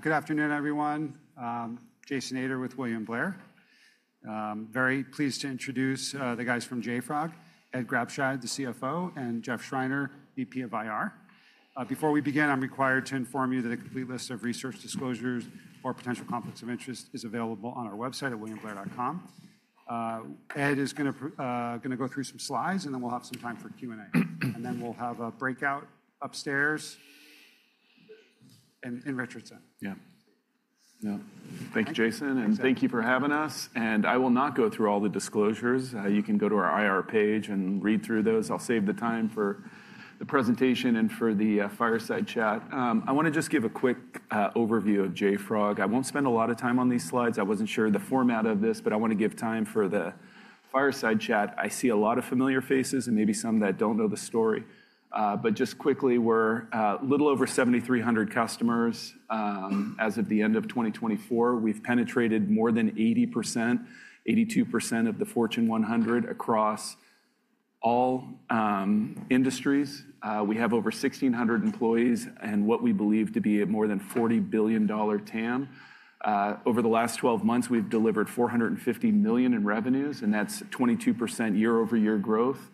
Good afternoon, everyone. Jason Ader with William Blair. Very pleased to introduce the guys from JFrog: Ed Grabscheid, the CFO, and Jeff Schreiner, VP of IR. Before we begin, I'm required to inform you that a complete list of research disclosures or potential conflicts of interest is available on our website at williamblair.com. Ed is going to go through some slides, and then we'll have some time for Q&A. Then we'll have a breakout upstairs in Richardson. Yeah. Thank you, Jason. Thank you for having us. I will not go through all the disclosures. You can go to our IR page and read through those. I'll save the time for the presentation and for the fireside chat. I want to just give a quick overview of JFrog. I won't spend a lot of time on these slides. I wasn't sure of the format of this, but I want to give time for the fireside chat. I see a lot of familiar faces and maybe some that do not know the story. Just quickly, we are a little over 7,300 customers as of the end of 2024. We have penetrated more than 80%, 82% of the Fortune 100 across all industries. We have over 1,600 employees and what we believe to be a more than $40 billion TAM. Over the last 12 months, we've delivered $450 million in revenues, and that's 22% YoY growth.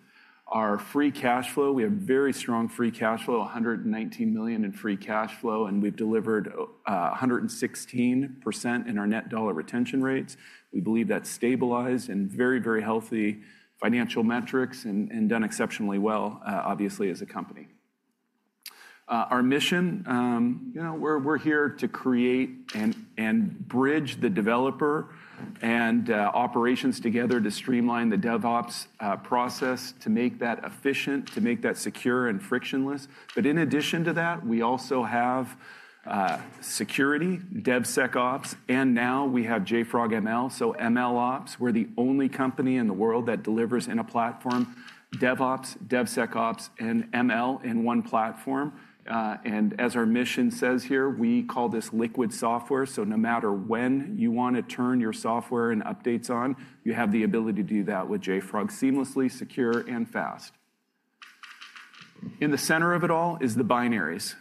Our free cash flow, we have very strong free cash flow, $119 million in free cash flow, and we've delivered 116% in our net dollar retention rates. We believe that's stabilized in very, very healthy financial metrics and done exceptionally well, obviously, as a company. Our mission, you know, we're here to create and bridge the developer and operations together to streamline the DevOps process, to make that efficient, to make that secure and frictionless. In addition to that, we also have security, DevSecOps, and now we have JFrog ML, so MLOps. We're the only company in the world that delivers in a platform DevOps, DevSecOps, and ML in one platform. As our mission says here, we call this liquid software. No matter when you want to turn your software and updates on, you have the ability to do that with JFrog seamlessly, secure, and fast. In the center of it all is the binaries.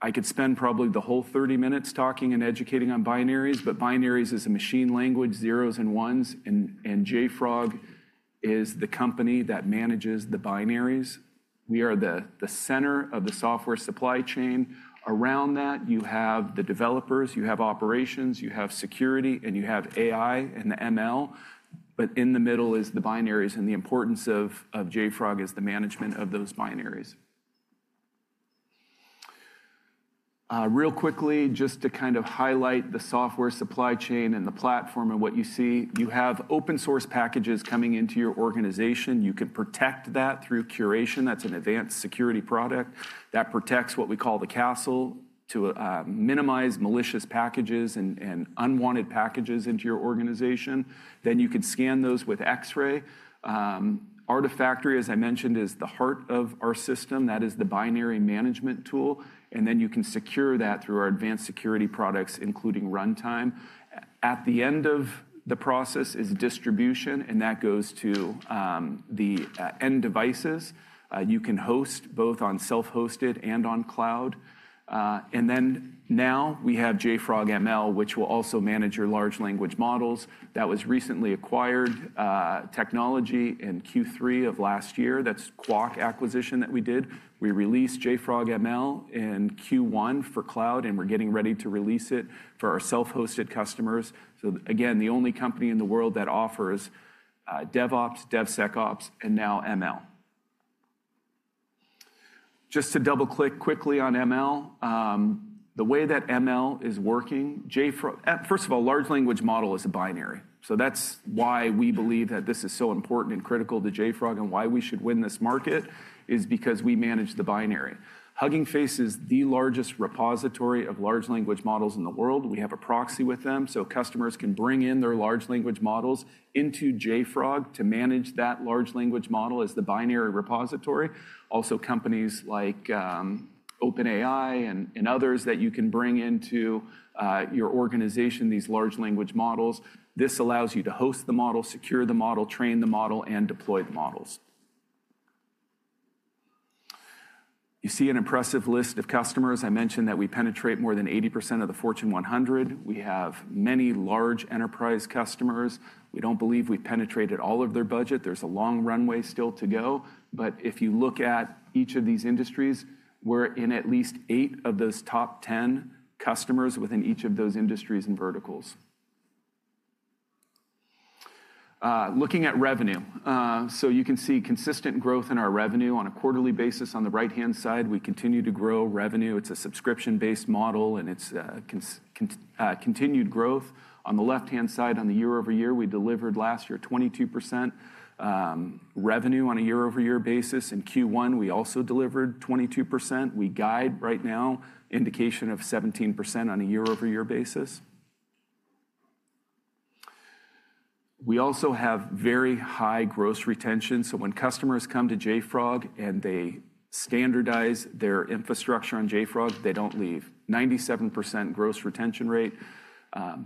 I could spend probably the whole 30 minutes talking and educating on binaries, but binaries is a machine language, zeros and ones, and JFrog is the company that manages the binaries. We are the center of the software supply chain. Around that, you have the developers, you have operations, you have security, and you have AI and the ML. In the middle is the binaries, and the importance of JFrog is the management of those binaries. Real quickly, just to kind of highlight the software supply chain and the platform and what you see, you have open-source packages coming into your organization. You can protect that through curation. That's an advanced security product that protects what we call the castle to minimize malicious packages and unwanted packages into your organization. Then you can scan those with Xray. Artifactory, as I mentioned, is the heart of our system. That is the binary management tool. You can secure that through our advanced security products, including Runtime. At the end of the process is distribution, and that goes to the end devices. You can host both on self-hosted and on cloud. Now we have JFrog ML, which will also manage your large language models. That was recently acquired technology in Q3 of last year. That's the Qwak acquisition that we did. We released JFrog ML in Q1 for cloud, and we're getting ready to release it for our self-hosted customers. Again, the only company in the world that offers DevOps, DevSecOps, and now ML. Just to double-click quickly on ML, the way that ML is working, first of all, large language model is a binary. That is why we believe that this is so important and critical to JFrog and why we should win this market is because we manage the binary. Hugging Face is the largest repository of large language models in the world. We have a proxy with them, so customers can bring in their large language models into JFrog to manage that large language model as the binary repository. Also, companies like OpenAI and others that you can bring into your organization, these large language models. This allows you to host the model, secure the model, train the model, and deploy the models. You see an impressive list of customers. I mentioned that we penetrate more than 80% of the Fortune 100. We have many large enterprise customers. We don't believe we've penetrated all of their budget. There's a long runway still to go. If you look at each of these industries, we're in at least eight of those top 10 customers within each of those industries and verticals. Looking at revenue, you can see consistent growth in our revenue on a quarterly basis. On the right-hand side, we continue to grow revenue. It's a subscription-based model, and it's continued growth. On the left-hand side, on the YoY, we delivered last year 22% revenue on a YoY basis. In Q1, we also delivered 22%. We guide right now, indication of 17% on a YoY basis. We also have very high gross retention. When customers come to JFrog and they standardize their infrastructure on JFrog, they don't leave. 97% gross retention rate.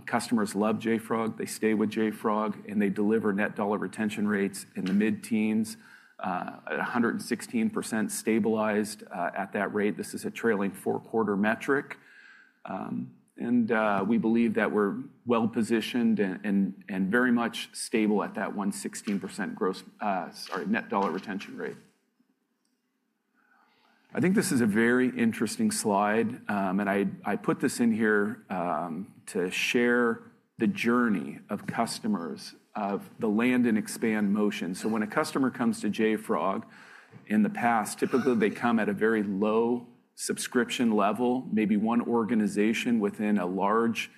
Customers love JFrog. They stay with JFrog, and they deliver net dollar retention rates in the mid-teens, 116% stabilized at that rate. This is a trailing four-quarter metric. We believe that we're well-positioned and very much stable at that 116% gross, sorry, net dollar retention rate. I think this is a very interesting slide, and I put this in here to share the journey of customers of the land and expand motion. When a customer comes to JFrog in the past, typically they come at a very low subscription level, maybe one organization within a large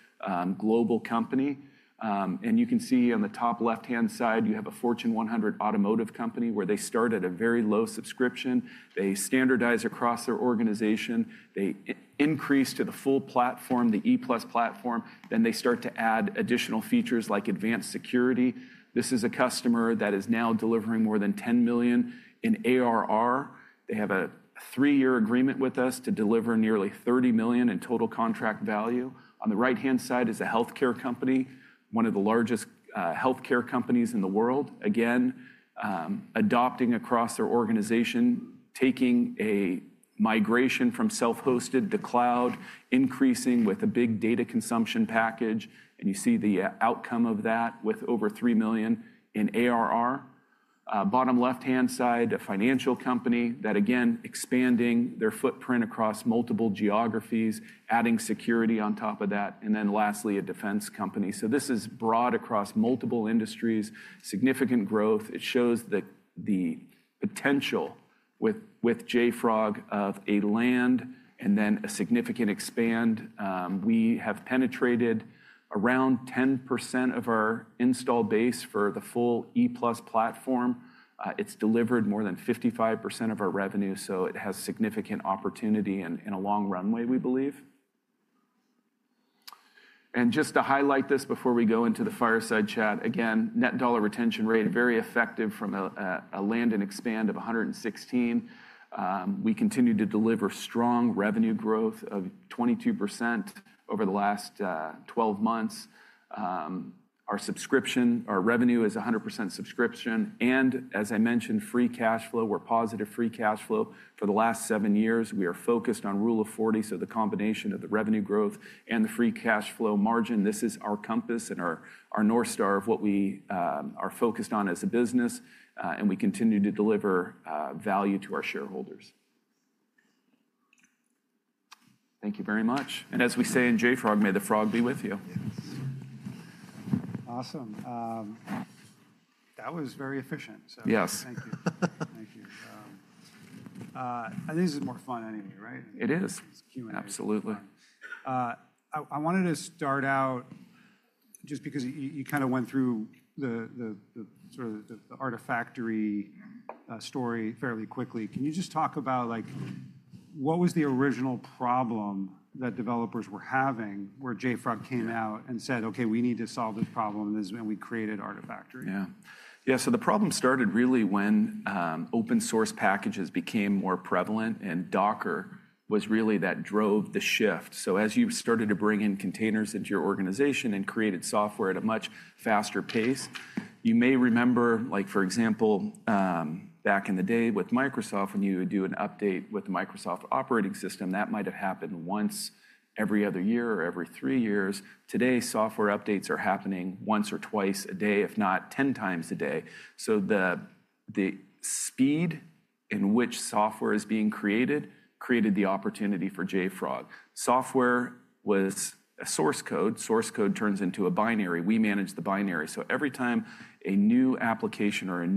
global company. You can see on the top left-hand side, you have a Fortune 100 automotive company where they start at a very low subscription. They standardize across their organization. They increase to the full platform, the E+ platform. They start to add additional features like advanced security. This is a customer that is now delivering more than $10 million in ARR. They have a three-year agreement with us to deliver nearly $30 million in total contract value. On the right-hand side is a healthcare company, one of the largest healthcare companies in the world, again, adopting across their organization, taking a migration from self-hosted to cloud, increasing with a big data consumption package. You see the outcome of that with over $3 million in ARR. Bottom left-hand side, a financial company that, again, expanding their footprint across multiple geographies, adding security on top of that. Lastly, a defense company. This is broad across multiple industries, significant growth. It shows the potential with JFrog of a land and then a significant expand. We have penetrated around 10% of our install base for the full E+ platform. It's delivered more than 55% of our revenue, so it has significant opportunity and a long runway, we believe. Just to highlight this before we go into the fireside chat, again, net dollar retention rate, very effective from a land and expand of 116%. We continue to deliver strong revenue growth of 22% over the last 12 months. Our revenue is 100% subscription. As I mentioned, free cash flow, we're positive free cash flow for the last seven years. We are focused on rule of 40, so the combination of the revenue growth and the free cash flow margin, this is our compass and our North Star of what we are focused on as a business. We continue to deliver value to our shareholders. Thank you very much. As we say in JFrog, may the frog be with you. Awesome. That was very efficient. Yes. Thank you. Thank you. This is more fun anyway, right? It is. Absolutely. I wanted to start out just because you kind of went through the sort of the Artifactory story fairly quickly. Can you just talk about what was the original problem that developers were having where JFrog came out and said, "Okay, we need to solve this problem," and we created Artifactory? Yeah. Yeah. The problem started really when open-source packages became more prevalent and Docker was really that drove the shift. As you started to bring in containers into your organization and created software at a much faster pace, you may remember, for example, back in the day with Microsoft, when you would do an update with the Microsoft operating system, that might have happened once every other year or every three years. Today, software updates are happening once or twice a day, if not 10 times a day. The speed in which software is being created created the opportunity for JFrog. Software was a source code. Source code turns into a binary. We manage the binary. Every time a new application or a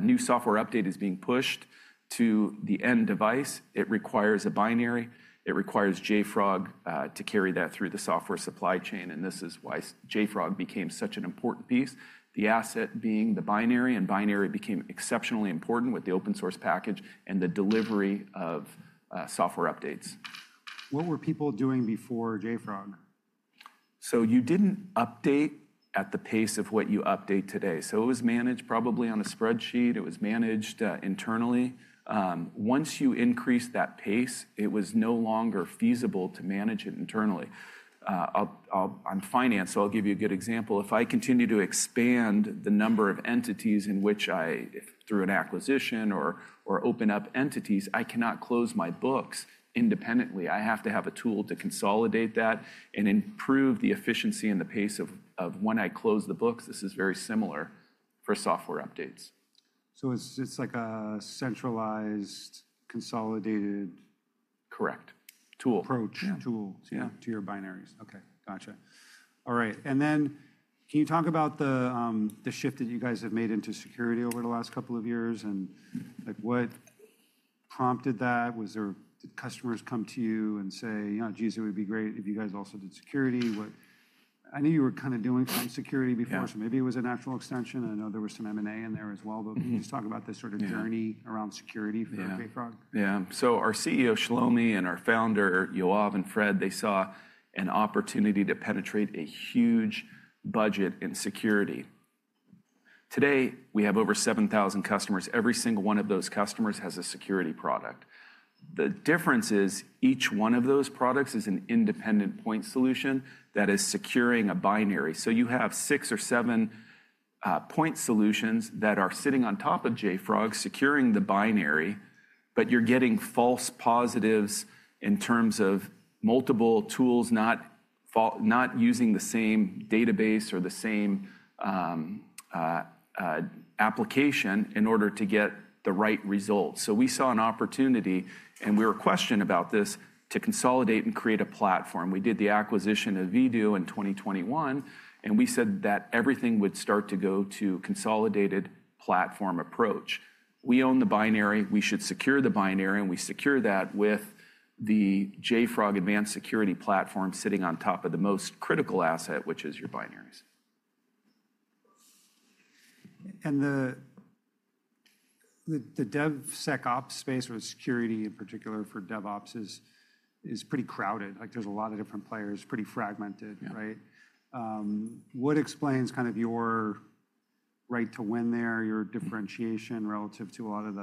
new software update is being pushed to the end device, it requires a binary. It requires JFrog to carry that through the software supply chain. This is why JFrog became such an important piece, the asset being the binary. Binary became exceptionally important with the open-source package and the delivery of software updates. What were people doing before JFrog? You didn't update at the pace of what you update today. It was managed probably on a spreadsheet. It was managed internally. Once you increased that pace, it was no longer feasible to manage it internally. I'm finance, so I'll give you a good example. If I continue to expand the number of entities in which I, through an acquisition or open up entities, I cannot close my books independently. I have to have a tool to consolidate that and improve the efficiency and the pace of when I close the books. This is very similar for software updates. It's like a centralized, consolidated. Correct. Tool. Approach. Tool to your binaries. Okay. Gotcha. All right. Can you talk about the shift that you guys have made into security over the last couple of years and what prompted that? Was there customers come to you and say, "Geez, it would be great if you guys also did security"? I knew you were kind of doing some security before, so maybe it was a natural extension. I know there was some M&A in there as well. Can you just talk about this sort of journey around security for JFrog? Yeah. So our CEO, Shlomi, and our founder, Yoav and Fred, they saw an opportunity to penetrate a huge budget in security. Today, we have over 7,000 customers. Every single one of those customers has a security product. The difference is each one of those products is an independent point solution that is securing a binary. You have six or seven point solutions that are sitting on top of JFrog securing the binary, but you're getting false positives in terms of multiple tools not using the same database or the same application in order to get the right result. We saw an opportunity, and we were questioned about this to consolidate and create a platform. We did the acquisition of Vdoo in 2021, and we said that everything would start to go to consolidated platform approach. We own the binary. We should secure the binary, and we secure that with the JFrog Advanced Security platform sitting on top of the most critical asset, which is your binaries. The DevSecOps space, or the security in particular for DevOps, is pretty crowded. There is a lot of different players, pretty fragmented, right? What explains kind of your right to win there, your differentiation relative to a lot of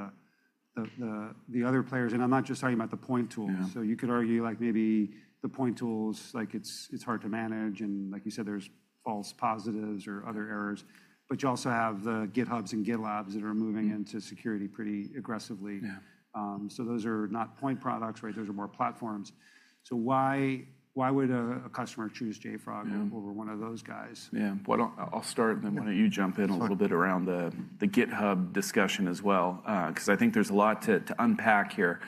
the other players? I am not just talking about the point tools. You could argue maybe the point tools, it is hard to manage. Like you said, there is false positives or other errors. You also have the GitHubs and GitLab that are moving into security pretty aggressively. Those are not point products, right? Those are more platforms. Why would a customer choose JFrog over one of those guys? Yeah. I'll start, and then why don't you jump in a little bit around the GitHub discussion as well, because I think there's a lot to unpack here.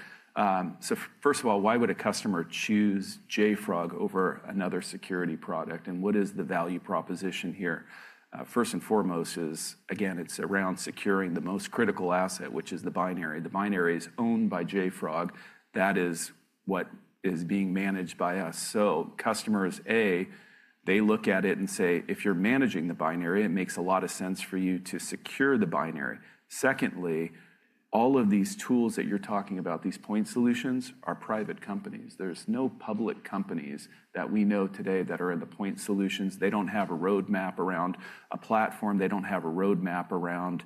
First of all, why would a customer choose JFrog over another security product? And what is the value proposition here? First and foremost is, again, it's around securing the most critical asset, which is the binary. The binary is owned by JFrog. That is what is being managed by us. So customers, A, they look at it and say, "If you're managing the binary, it makes a lot of sense for you to secure the binary." Secondly, all of these tools that you're talking about, these point solutions are private companies. There's no public companies that we know today that are in the point solutions. They do not have a roadmap around a platform. They don't have a roadmap around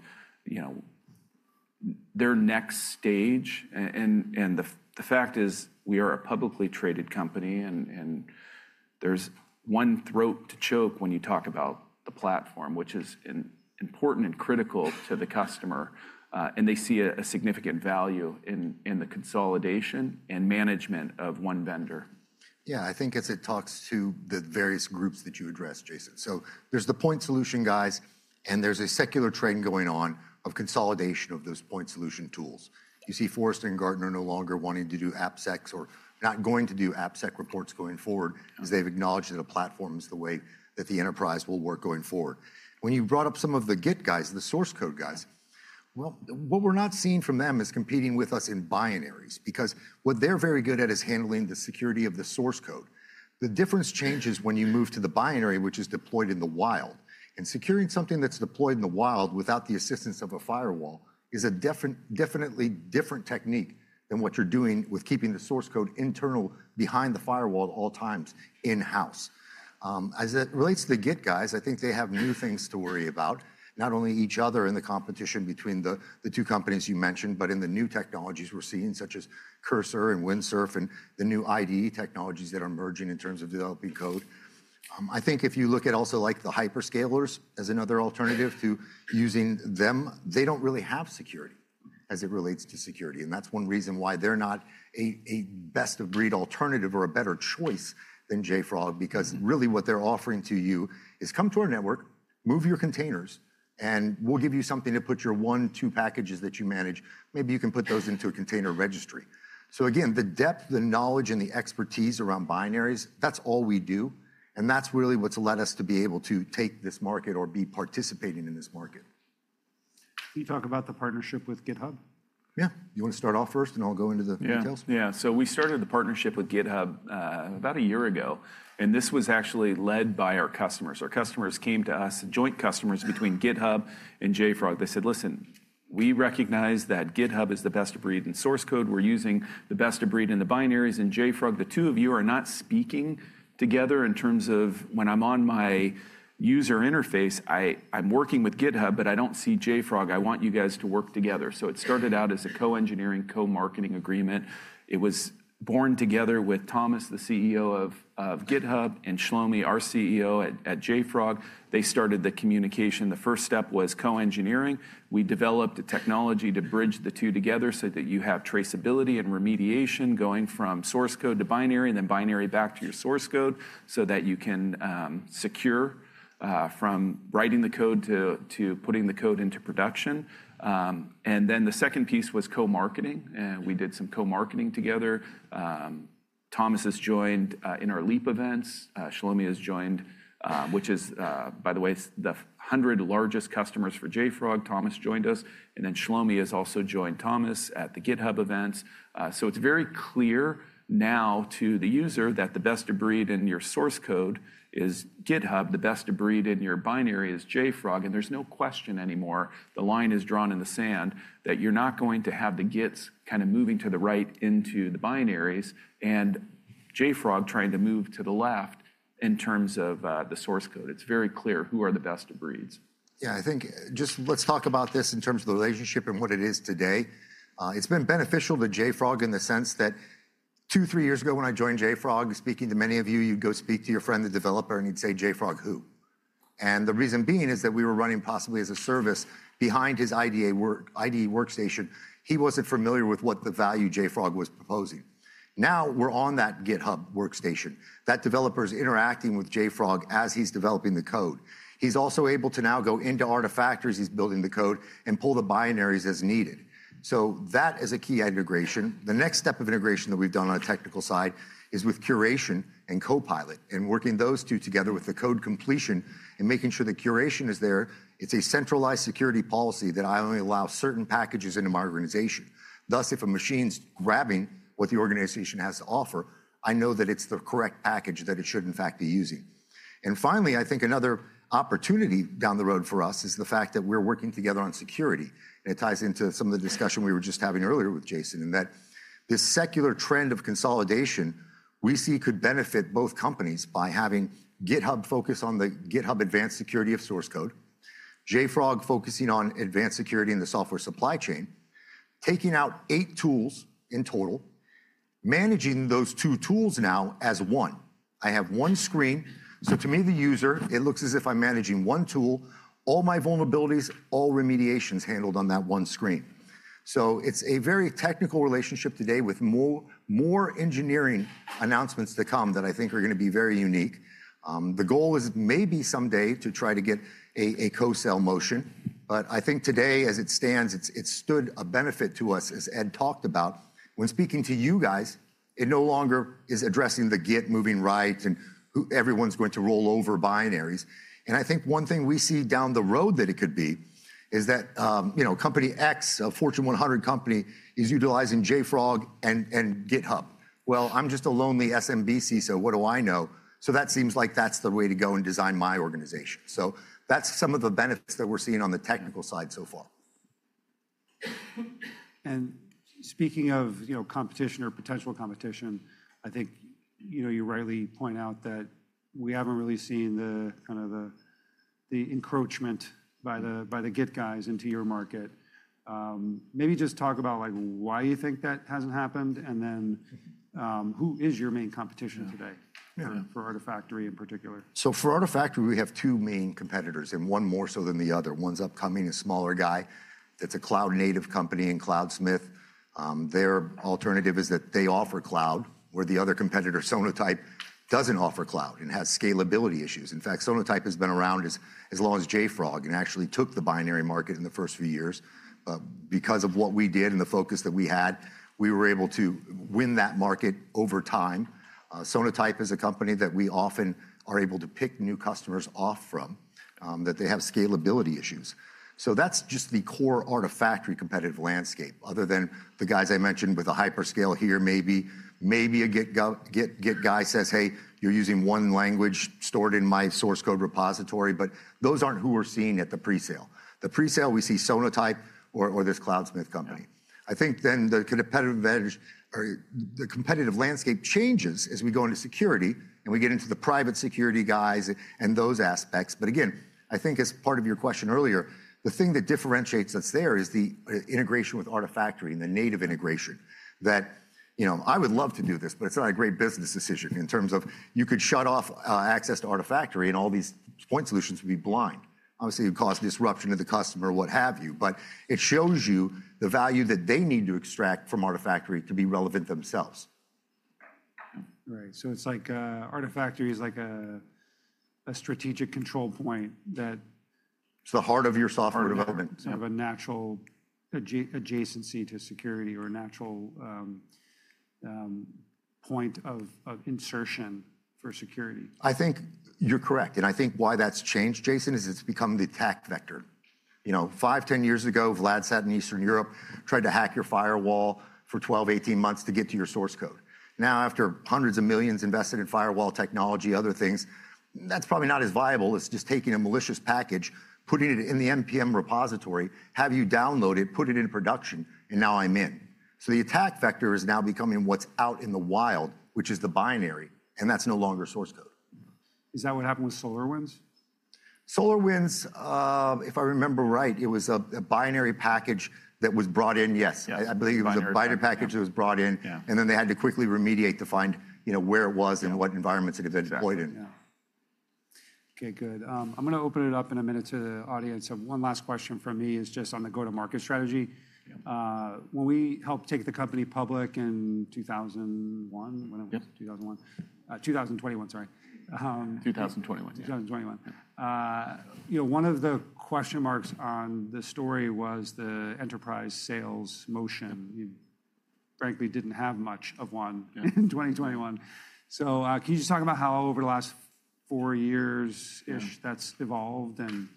their next stage. The fact is we are a publicly traded company, and there's one throat to choke when you talk about the platform, which is important and critical to the customer. They see a significant value in the consolidation and management of one vendor. Yeah. I think it talks to the various groups that you address, Jason. So there's the point solution guys, and there's a secular trend going on of consolidation of those point solution tools. You see Forrester and Gartner no longer wanting to do AppSec or not going to do AppSec reports going forward because they've acknowledged that a platform is the way that the enterprise will work going forward. When you brought up some of the Git guys, the source code guys, well, what we're not seeing from them is competing with us in binaries because what they're very good at is handling the security of the source code. The difference changes when you move to the binary, which is deployed in the wild. Securing something that's deployed in the wild without the assistance of a firewall is a definitely different technique than what you're doing with keeping the source code internal behind the firewall at all times in-house. As it relates to the Git guys, I think they have new things to worry about, not only each other and the competition between the two companies you mentioned, but in the new technologies we're seeing, such as Cursor and Windsurf and the new IDE technologies that are emerging in terms of developing code. I think if you look at also the hyperscalers as another alternative to using them, they don't really have security as it relates to security. That's one reason why they're not a best of breed alternative or a better choice than JFrog, because really what they're offering to you is come to our network, move your containers, and we'll give you something to put your one, two packages that you manage. Maybe you can put those into a container registry. Again, the depth, the knowledge, and the expertise around binaries, that's all we do. That's really what's led us to be able to take this market or be participating in this market. Can you talk about the partnership with GitHub? Yeah. You want to start off first, and I'll go into the details? Yeah. So we started the partnership with GitHub about a year ago, and this was actually led by our customers. Our customers came to us, joint customers between GitHub and JFrog. They said, "Listen, we recognize that GitHub is the best of breed in source code. We're using the best of breed in the binaries. And JFrog, the two of you are not speaking together in terms of when I'm on my user interface, I'm working with GitHub, but I don't see JFrog. I want you guys to work together." It started out as a co-engineering, co-marketing agreement. It was born together with Thomas, the CEO of GitHub, and Shlomi, our CEO at JFrog. They started the communication. The first step was co-engineering. We developed a technology to bridge the two together so that you have traceability and remediation going from source code to binary and then binary back to your source code so that you can secure from writing the code to putting the code into production. The second piece was co-marketing. We did some co-marketing together. Thomas has joined in our LEAP events. Shlomi has joined, which is, by the way, the 100 largest customers for JFrog. Thomas joined us. Shlomi has also joined Thomas at the GitHub events. It is very clear now to the user that the best of breed in your source code is GitHub. The best of breed in your binary is JFrog. There is no question anymore. The line is drawn in the sand that you're not going to have the Gits kind of moving to the right into the binaries and JFrog trying to move to the left in terms of the source code. It's very clear who are the best of breeds. Yeah. I think just let's talk about this in terms of the relationship and what it is today. It's been beneficial to JFrog in the sense that two, three years ago when I joined JFrog, speaking to many of you, you'd go speak to your friend, the developer, and he'd say, "JFrog who?" The reason being is that we were running possibly as a service behind his IDE workstation. He wasn't familiar with what the value JFrog was proposing. Now we're on that GitHub workstation. That developer is interacting with JFrog as he's developing the code. He's also able to now go into Artifactory. He's building the code and pull the binaries as needed. That is a key integration. The next step of integration that we've done on a technical side is with Curation and Copilot and working those two together with the code completion and making sure the Curation is there. It's a centralized security policy that I only allow certain packages into my organization. Thus, if a machine's grabbing what the organization has to offer, I know that it's the correct package that it should, in fact, be using. Finally, I think another opportunity down the road for us is the fact that we're working together on security. It ties into some of the discussion we were just having earlier with Jason in that this secular trend of consolidation we see could benefit both companies by having GitHub focus on the GitHub advanced security of source code, JFrog focusing on advanced security in the software supply chain, taking out eight tools in total, managing those two tools now as one. I have one screen. To me, the user, it looks as if I'm managing one tool, all my vulnerabilities, all remediations handled on that one screen. It is a very technical relationship today with more engineering announcements to come that I think are going to be very unique. The goal is maybe someday to try to get a co-sell motion. I think today, as it stands, it has stood a benefit to us, as Ed talked about. When speaking to you guys, it no longer is addressing the Git moving right and everyone's going to roll over binaries. I think one thing we see down the road that it could be is that company X, a Fortune 100 company, is utilizing JFrog and GitHub. I'm just a lonely SMBC, so what do I know? That seems like that's the way to go and design my organization. That is some of the benefits that we're seeing on the technical side so far. Speaking of competition or potential competition, I think you rightly point out that we have not really seen the kind of the encroachment by the Git guys into your market. Maybe just talk about why you think that has not happened and then who is your main competition today for Artifactory in particular? For Artifactory, we have two main competitors and one more so than the other. One's upcoming, a smaller guy. That's a cloud-native company in Cloudsmith. Their alternative is that they offer cloud, where the other competitor, Sonatype, doesn't offer cloud and has scalability issues. In fact, Sonatype has been around as long as JFrog and actually took the binary market in the first few years. Because of what we did and the focus that we had, we were able to win that market over time. Sonatype is a company that we often are able to pick new customers off from that they have scalability issues. That's just the core Artifactory competitive landscape. Other than the guys I mentioned with a hyperscale here, maybe a Git guy says, "Hey, you're using one language stored in my source code repository," but those aren't who we're seeing at the presale. The presale, we see Sonatype or this Cloudsmith company. I think then the competitive landscape changes as we go into security and we get into the private security guys and those aspects. Again, I think as part of your question earlier, the thing that differentiates us there is the integration with Artifactory and the native integration that I would love to do this, but it's not a great business decision in terms of you could shut off access to Artifactory and all these point solutions would be blind. Obviously, it would cause disruption to the customer, what have you, but it shows you the value that they need to extract from Artifactory to be relevant themselves. Right. So it's like Artifactory is like a strategic control point. It's the heart of your software development. Kind of a natural adjacency to security or a natural point of insertion for security. I think you're correct. I think why that's changed, Jason, is it's become the attack vector. Five, ten years ago, Vlad sat in Eastern Europe, tried to hack your firewall for 12-18 months to get to your source code. Now, after hundreds of millions invested in firewall technology, other things, that's probably not as viable as just taking a malicious package, putting it in the NPM repository, have you download it, put it in production, and now I'm in. The attack vector is now becoming what's out in the wild, which is the binary, and that's no longer source code. Is that what happened with SolarWinds? SolarWinds, if I remember right, it was a binary package that was brought in, yes. I believe it was a binary package that was brought in, and then they had to quickly remediate to find where it was and what environments it had been deployed in. Okay. Good. I'm going to open it up in a minute to the audience. One last question from me is just on the go-to-market strategy. When we helped take the company public in 2001, when it was 2001, 2021, sorry. 2021. 2021. One of the question marks on the story was the enterprise sales motion. Frankly, didn't have much of one in 2021. Can you just talk about how over the last four years-ish that's evolved and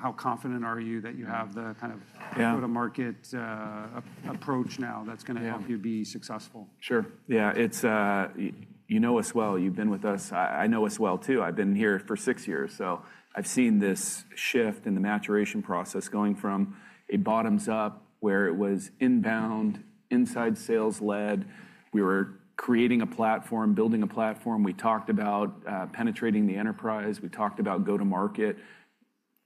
how confident are you that you have the kind of go-to-market approach now that's going to help you be successful? Sure. Yeah. You know us well. You've been with us. I know us well too. I've been here for six years. So I've seen this shift in the maturation process going from a bottoms-up where it was inbound, inside sales led. We were creating a platform, building a platform. We talked about penetrating the enterprise. We talked about go-to-market.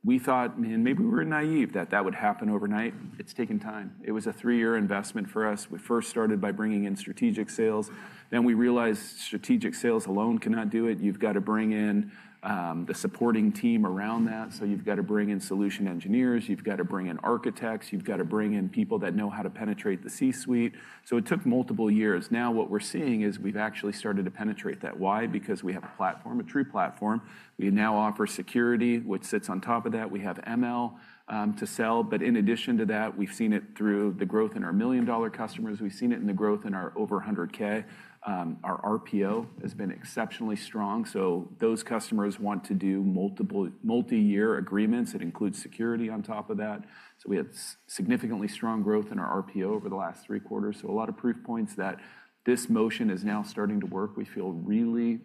We thought, man, maybe we were naive that that would happen overnight. It's taken time. It was a three-year investment for us. We first started by bringing in strategic sales. Then we realized strategic sales alone cannot do it. You've got to bring in the supporting team around that. So you've got to bring in solution engineers. You've got to bring in architects. You've got to bring in people that know how to penetrate the C-suite. So it took multiple years. Now what we're seeing is we've actually started to penetrate that. Why? Because we have a platform, a true platform. We now offer security, which sits on top of that. We have ML to sell. In addition to that, we've seen it through the growth in our million-dollar customers. We've seen it in the growth in our over $100,000. Our RPO has been exceptionally strong. Those customers want to do multi-year agreements. It includes security on top of that. We had significantly strong growth in our RPO over the last three quarters. A lot of proof points that this motion is now starting to work. We feel really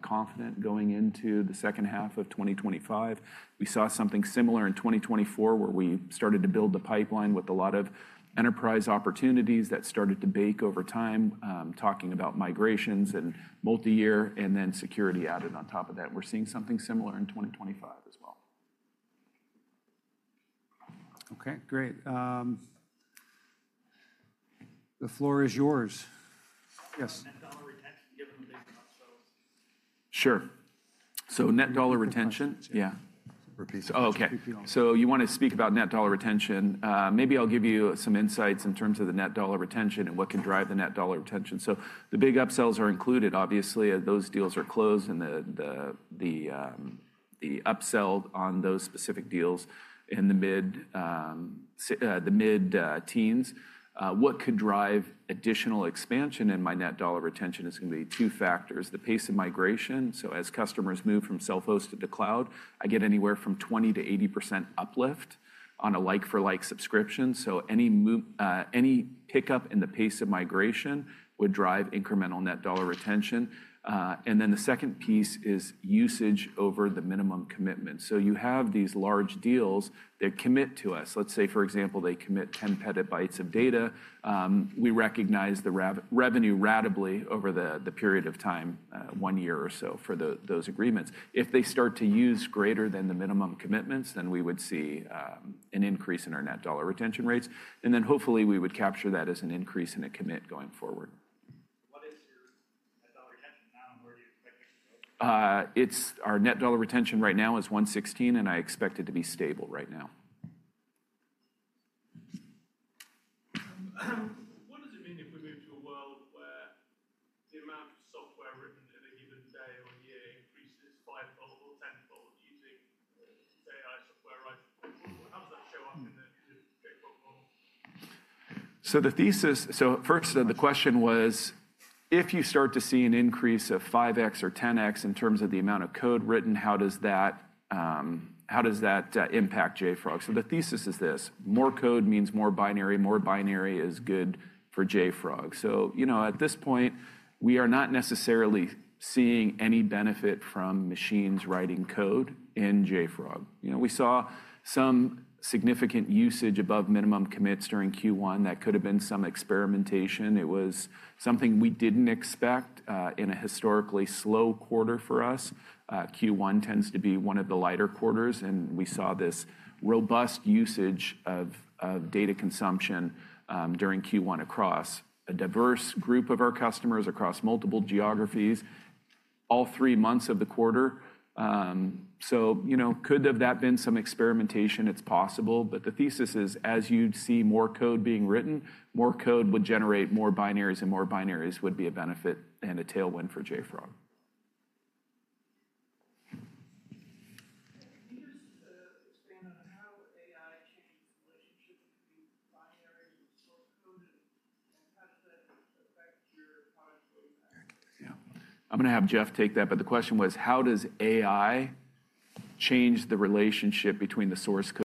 confident going into the second half of 2025. We saw something similar in 2024 where we started to build the pipeline with a lot of enterprise opportunities that started to bake over time, talking about migrations and multi-year and then security added on top of that. We are seeing something similar in 2025 as well. Okay. Great. The floor is yours. Yes. Net dollar retention given the big upsells. Sure. So net dollar retention, yeah. Oh, okay. So you want to speak about net dollar retention. Maybe I'll give you some insights in terms of the net dollar retention and what can drive the net dollar retention. The big upsells are included, obviously, as those deals are closed and the upsell on those specific deals in the mid-teens. What could drive additional expansion in my net dollar retention is going to be two factors. The pace of migration. As customers move from self-hosted to the cloud, I get anywhere from 20%-80% uplift on a like-for-like subscription. Any pickup in the pace of migration would drive incremental net dollar retention. The second piece is usage over the minimum commitment. You have these large deals that commit to us. Let's say, for example, they commit 10 petabytes of data. We recognize the revenue ratably over the period of time, one year or so for those agreements. If they start to use greater than the minimum commitments, we would see an increase in our net dollar retention rates. Hopefully we would capture that as an increase in a commit going forward. What is your net dollar retention now, and where do you expect it to go? Our net dollar retention right now is 116%, and I expect it to be stable right now. What does it mean if we move to a world where the amount of software written in a given day or year increases five-fold or ten-fold using AI software writing? How does that show up in the JFrog model? The thesis, so first the question was, if you start to see an increase of 5x or 10x in terms of the amount of code written, how does that impact JFrog? The thesis is this: more code means more binary. More binary is good for JFrog. At this point, we are not necessarily seeing any benefit from machines writing code in JFrog. We saw some significant usage above minimum commits during Q1. That could have been some experimentation. It was something we did not expect in a historically slow quarter for us. Q1 tends to be one of the lighter quarters, and we saw this robust usage of data consumption during Q1 across a diverse group of our customers across multiple geographies all three months of the quarter. Could that have been some experimentation? It is possible. The thesis is, as you'd see more code being written, more code would generate more binaries, and more binaries would be a benefit and a tailwind for JFrog. Can you just expand on how AI changed the relationship between binaries and source code and how does that affect your product? Yeah. I'm going to have Jeff take that, but the question was, how does AI change the relationship between the source code?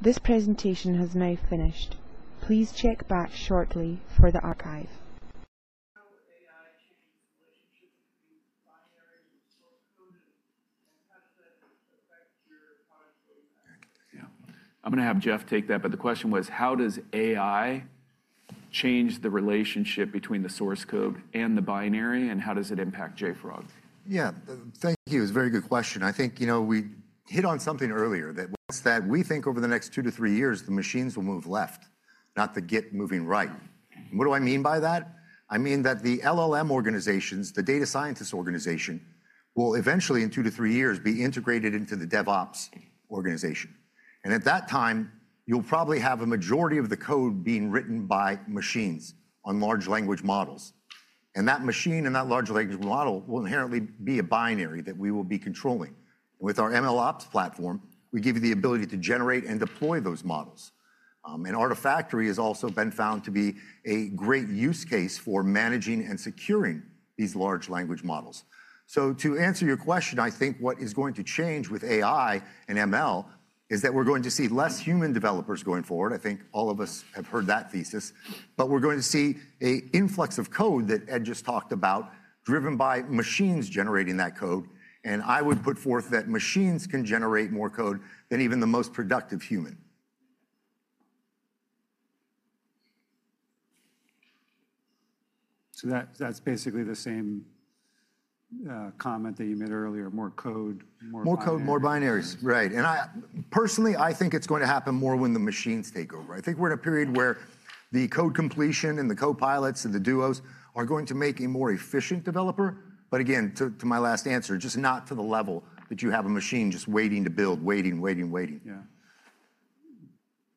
This presentation has now finished. Please check back shortly for the archive. How has AI changed the relationship between binaries and source code, and how does that affect your product? Yeah. I'm going to have Jeff take that, but the question was, how does AI change the relationship between the source code and the binary, and how does it impact JFrog? Yeah. Thank you. It's a very good question. I think we hit on something earlier that we think over the next two to three years, the machines will move left, not the Git moving right. What do I mean by that? I mean that the LLM organizations, the data scientists organization, will eventually, in two to three years, be integrated into the DevOps organization. At that time, you'll probably have a majority of the code being written by machines on large language models. That machine and that large language model will inherently be a binary that we will be controlling. With our MLOps platform, we give you the ability to generate and deploy those models. Artifactory has also been found to be a great use case for managing and securing these large language models. To answer your question, I think what is going to change with AI and ML is that we're going to see less human developers going forward. I think all of us have heard that thesis. We're going to see an influx of code that Ed just talked about, driven by machines generating that code. I would put forth that machines can generate more code than even the most productive human. That is basically the same comment that you made earlier: more code, more binaries. More code, more binaries. Right. Personally, I think it's going to happen more when the machines take over. I think we're in a period where the code completion and the copilots and the duos are going to make a more efficient developer. Again, to my last answer, just not to the level that you have a machine just waiting to build, waiting, waiting, waiting. Yeah.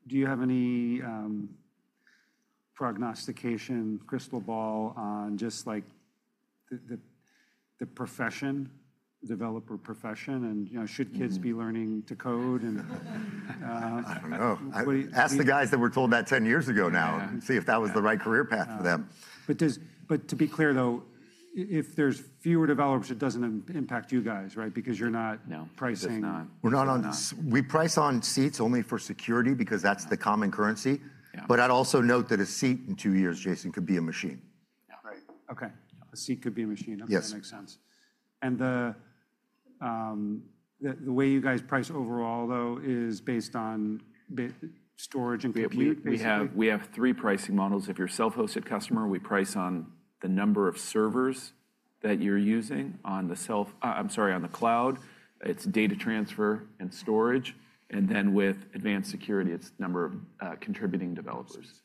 Do you have any prognostication, crystal ball, on just the profession, developer profession, and should kids be learning to code? I don't know. Ask the guys that were told that 10 years ago now and see if that was the right career path for them. To be clear, though, if there's fewer developers, it doesn't impact you guys, right? Because you're not pricing. We price on seats only for security because that's the common currency. I'd also note that a seat in two years, Jason, could be a machine. Right. Okay. A seat could be a machine. That makes sense. The way you guys price overall, though, is based on storage and compute? We have three pricing models. If you're a self-hosted customer, we price on the number of servers that you're using on the self—I'm sorry, on the cloud. It's data transfer and storage. And then with advanced security, it's the number of contributing developers.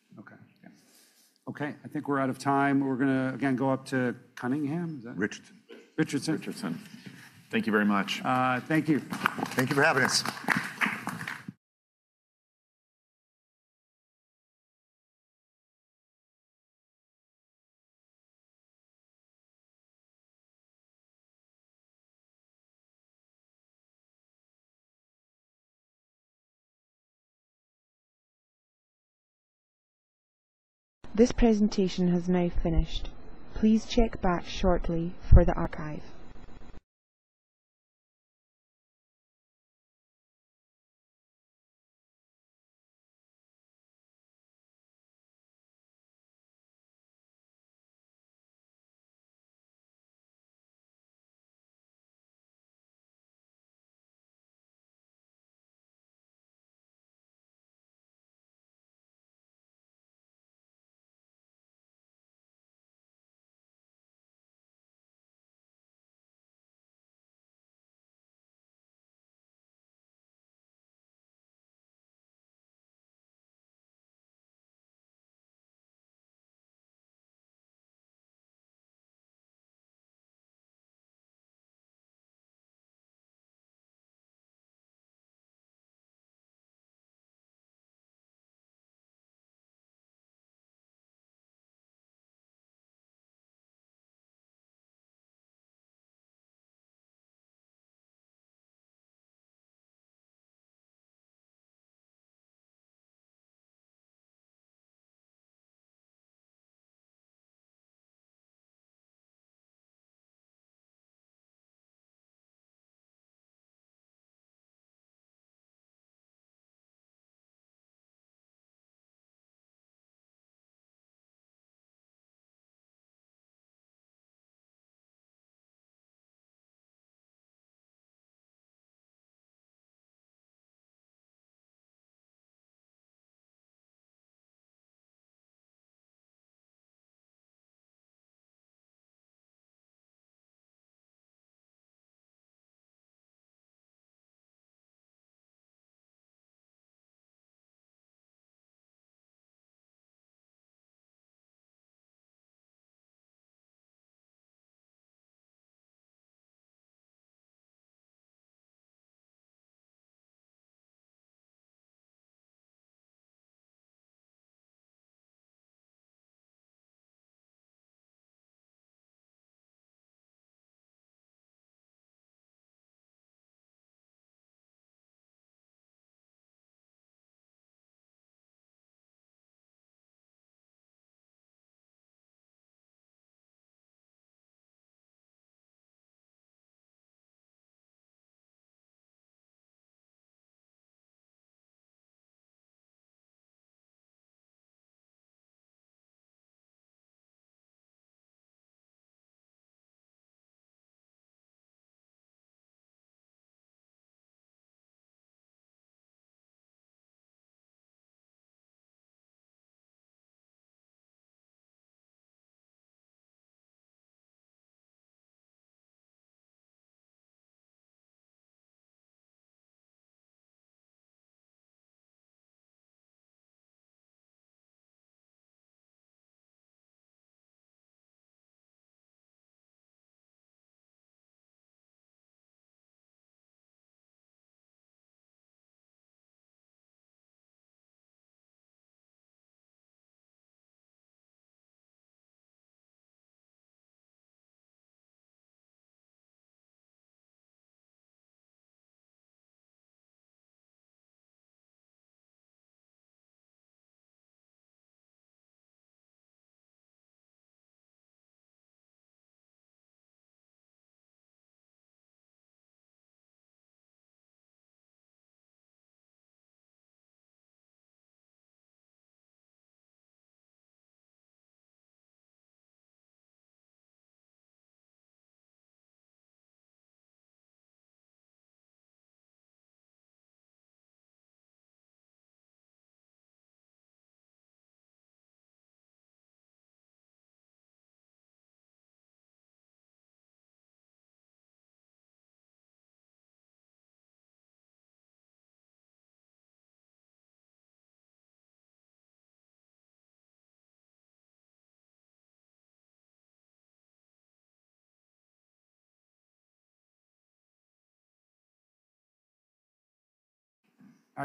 Okay. Okay. I think we're out of time. We're going to, again, go up to Cunningham. Richardson. Richardson. Richardson. Thank you very much. Thank you. Thank you for having us. This presentation has now finished. Please check back shortly for the archive.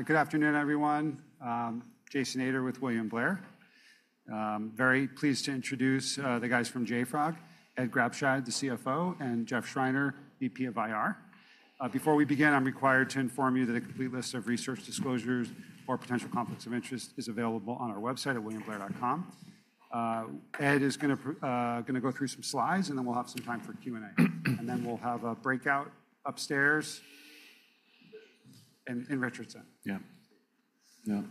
Good afternoon, everyone. Jason Ader with William Blair. Very pleased to introduce the guys from JFrog: Ed Grabscheid, the CFO, and Jeff Schreiner, VP of IR. Before we begin, I'm required to inform you that a complete list of research disclosures or potential conflicts of interest is available on our website at williamblair.com. Ed is going to go through some slides, and then we'll have some time for Q&A. Then we'll have a breakout upstairs in Richardson. Yeah. Yeah.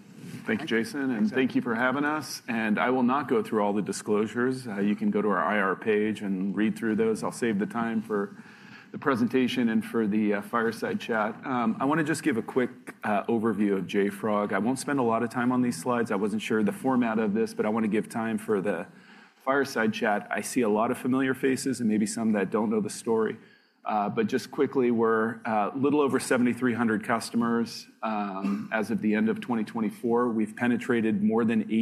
Thank you, Jason. Thank you for having us. I will not go through all the disclosures. You can go to our IR page and read through those. I'll save the time for the presentation and for the fireside chat. I want to just give a quick overview of JFrog. I won't spend a lot of time on these slides. I wasn't sure of the format of this, but I want to give time for the fireside chat. I see a lot of familiar faces and maybe some that don't know the story. Just quickly, we're a little over 7,300 customers as of the end of 2024. We've penetrated more than.